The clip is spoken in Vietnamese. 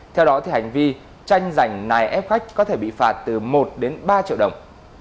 theo đó thì hành vi tranh giành nài ép khách có thể bị phạt từ một đến ba triệu đồng